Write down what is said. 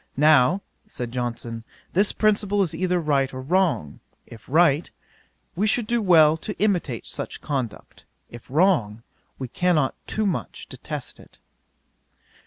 Now (said Johnson,) this principle is either right or wrong; if right, we should do well to imitate such conduct; if wrong, we cannot too much detest it."